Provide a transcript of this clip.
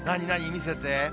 見せて。